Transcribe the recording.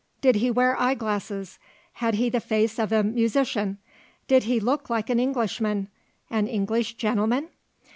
Did he wear eyeglasses? Had he the face of a musician? Did he look like an Englishman an English gentleman?"